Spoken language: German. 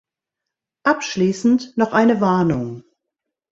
Abschließend noch eine Warnung.